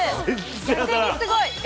逆にすごい！